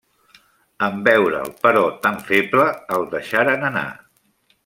En veure'l, però, tan feble, el deixaren anar.